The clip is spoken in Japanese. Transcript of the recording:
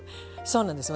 そうなんです。